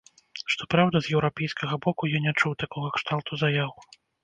Што праўда, з еўрапейскага боку я не чуў такога кшталту заяў.